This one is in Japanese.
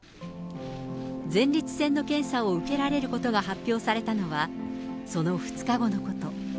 前立腺の検査を受けられることが発表されたのは、その２日後のこと。